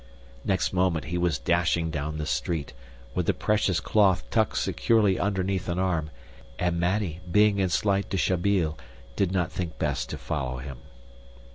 Next moment he was dashing down the street, with the precious cloth tucked securely underneath an arm, and Mattie, being in slight dishabile, did not think best to follow him.